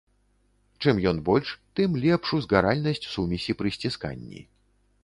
Чым ён больш, тым лепш узгаральнасць сумесі пры сцісканні.